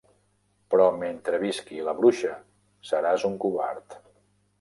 Però mentre visqui la Bruixa, seràs un covard.